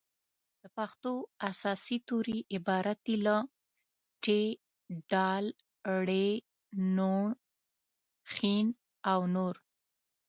د پښتو اساسي توري عبارت دي له : ټ ډ ړ ڼ ښ او نور